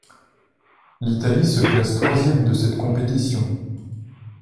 L'Italie se classe troisième de cette compétition.